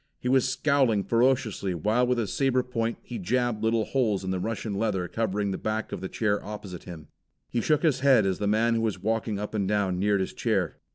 He was scowling ferociously while with his saber point he jabbed little holes in the Russian leather covering the back of the chair opposite him. He shook his head as the man who was walking up and down neared his chair.